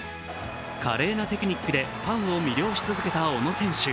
華麗なテクニックでファンを魅了し続けた小野選手。